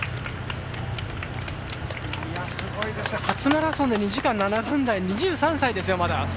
初マラソンで２時間７分台２３歳ですよ、まだ。